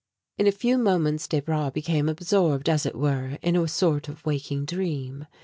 In a few moments Desbra became absorbed, as it were, in a sort of waking dream.